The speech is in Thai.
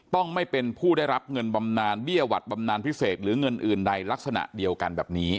ต้องไม่เป็นผู้ได้รับเงินบำนานเบี้ยหวัดบำนานพิเศษหรือเงินอื่นใดลักษณะเดียวกันแบบนี้